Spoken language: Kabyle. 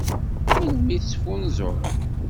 Melmi i tettfunzureḍ?